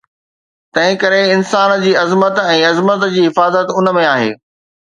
تنهن ڪري انسان جي عظمت ۽ عظمت جي حفاظت ان ۾ آهي